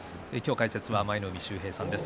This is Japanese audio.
解説は舞の海秀平さんです。